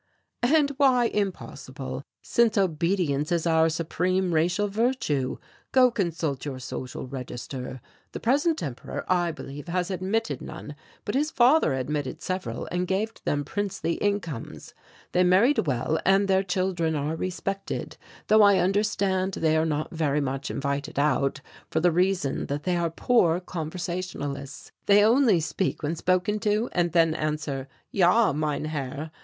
"And why impossible, since obedience is our supreme racial virtue? Go consult your social register. The present Emperor, I believe, has admitted none, but his father admitted several and gave them princely incomes. They married well and their children are respected, though I understand they are not very much invited out for the reason that they are poor conversationalists. They only speak when spoken to and then answer, 'Ja, Mein Herr.'